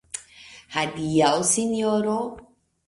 Adiaŭ, Sinjoro!